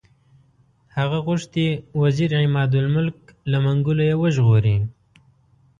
هغه غوښتي وزیر عمادالملک له منګولو یې وژغوري.